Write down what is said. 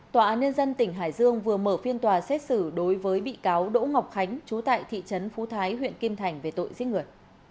tòa án nhân dân tỉnh hải dương vừa mở phiên tòa xét xử đối với bị cáo đỗ ngọc khánh chú tại thị trấn phú thái huyện kim thành về tội giết người